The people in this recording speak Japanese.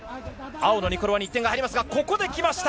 青のニコロワに得点が入りますが、ここできました。